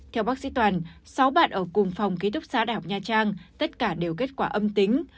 theo bác sĩ toàn sáu bạn ở cùng phòng ký túc sá đh nha trang tất cả đều kết quả âm tính